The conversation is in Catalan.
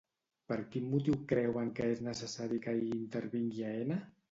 Per quin motiu creuen que és necessari que hi intervingui Aena?